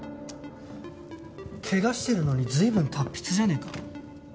怪我してるのに随分達筆じゃねえか。